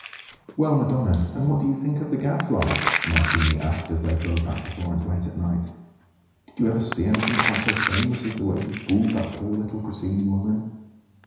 "Well, Madonna, and what do you think of the Gadfly?" Martini asked as they drove back to Florence late at night. "Did you ever see anything quite so shameless as the way he fooled that poor little Grassini woman?"